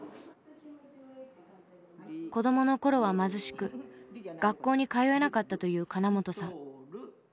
子どもの頃は貧しく学校に通えなかったと言う金本さん。